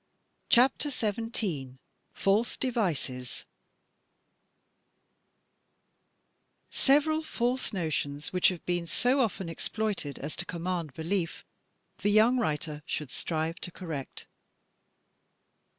CHAPTER XVII FALSE DEVICES Several false notions which have been so often exploited as to command belief, the young writer should strive to correct.